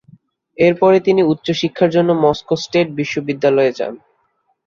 এরপরে তিনি উচ্চ শিক্ষার জন্য মস্কো স্টেট বিশ্ববিদ্যালয়ে যান।